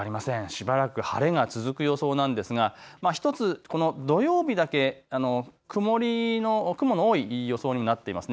しばらく晴れが続く予想なんですが１つ、土曜日だけ雲の多い予想になっています。